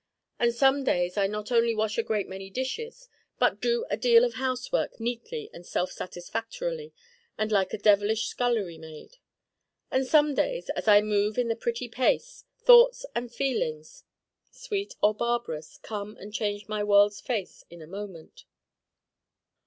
And some days I not only wash a great many dishes but do a deal of housework neatly and self satisfactorily and like a devilish scullery maid. And some days as I move in the petty pace thoughts and feelings sweet or barbarous come and change my world's face in a moment.